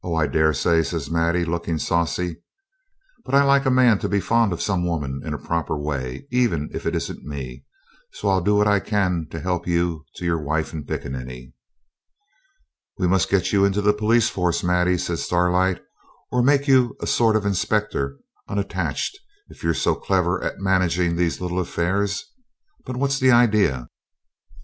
I daresay,' says Maddie, looking saucy, 'but I like a man to be fond of some woman in a proper way, even if it isn't me; so I'll do what I can to help you to your wife and pickaninny.' 'We must get you into the police force, Maddie,' says Starlight, 'or make you a sort of inspector, unattached, if you're so clever at managing these little affairs. But what's the idea?'